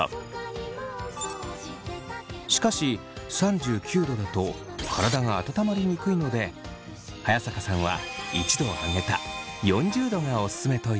しかし３９℃だと体があたたまりにくいので早坂さんは１℃上げた４０℃がおすすめと言います。